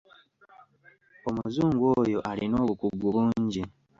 Omuzungu oyo alina obukugu bungi.